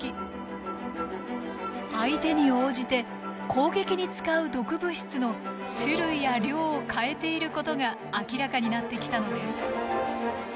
相手に応じて攻撃に使う毒物質の種類や量を変えていることが明らかになってきたのです。